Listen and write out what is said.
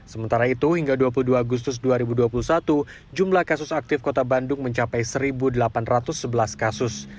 sementara itu hingga dua puluh dua agustus dua ribu dua puluh satu jumlah kasus aktif kota bandung mencapai satu delapan ratus sebelas kasus